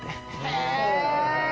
へえ！